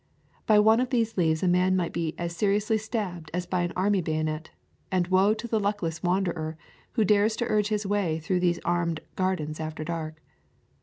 By one of these leaves a man might be as seriously stabbed as by an army bayonet, and woe to the luckless wanderer who dares to urge his way through these armed gardens after dark.